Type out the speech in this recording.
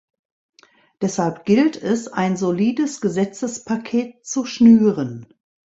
Deshalb gilt es, ein solides Gesetzespaket zu schnüren.